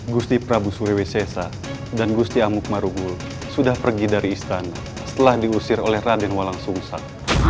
gusti prabu surawi sese dan gusti amuk marugul sudah pergi dari istana setelah diusir oleh raden walang sungsat